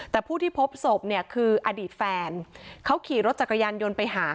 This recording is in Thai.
แต่ผู้ที่พบศพเนี่ยคืออดีตแฟนเขาขี่รถจักรยานยนต์ไปหา